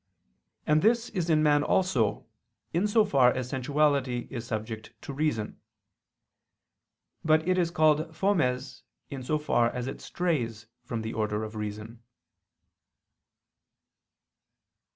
And this is in man also, in so far as sensuality is subject to reason. But it is called fomes in so far as it strays from the order of reason.